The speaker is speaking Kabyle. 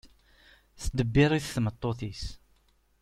Teddebbir-it tmeṭṭut-is.